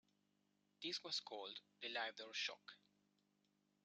This was called the "livedoor shock".